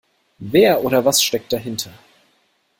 Wer oder was steckt dahinter?